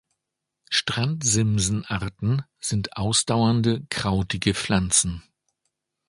Strandsimsen-Arten sind ausdauernde, krautige Pflanzen.